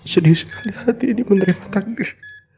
sedih sekali hati ini menerima takdir